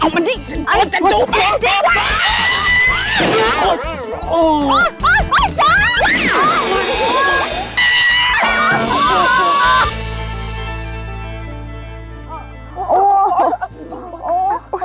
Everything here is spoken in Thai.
เอามันดิฉันต้องจัดจุดไป